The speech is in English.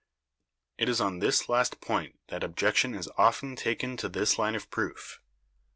It is on this last point that objection is often taken to 178 BIOLOGY this line of proof.